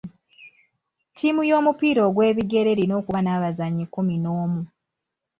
Ttiimu y'omupiira ogw'ebigere erina okuba n'abazannyi kkumi n'omu.